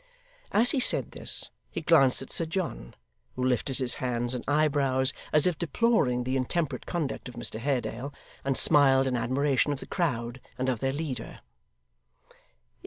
As he said this, he glanced at Sir John, who lifted his hands and eyebrows, as if deploring the intemperate conduct of Mr Haredale, and smiled in admiration of the crowd and of their leader.